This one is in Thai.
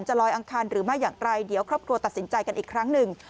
ลอยอังคารหรือไม่อย่างไรเดี๋ยวครอบครัวตัดสินใจกันอีกครั้งหนึ่ง